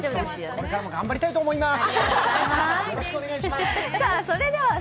これからも頑張りたいと思います。